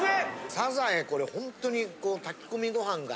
サザエこれほんとに炊き込みご飯が。